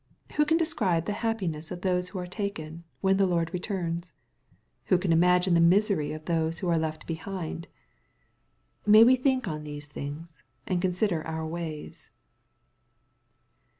Who can describe the happiness of those who are taken, when the Lord returns ? Who can imagine the misery of those who are left behind ? May we think on these things and consider our ways.